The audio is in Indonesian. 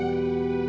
aku mau balik